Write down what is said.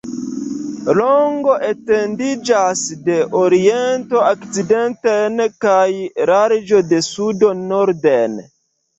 Longo etendiĝas de oriento okcidenten kaj larĝo de sudo norden.